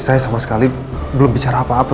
saya sama sekali belum bicara apa apa